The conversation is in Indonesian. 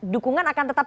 dukungan akan tetap